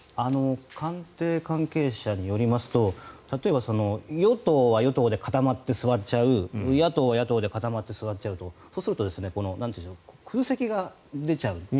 官邸関係者によりますと例えば、与党は与党で固まって座っちゃう野党は野党で固まって座っちゃうとそうすると空席が出ちゃう。